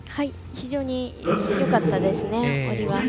非常によかったです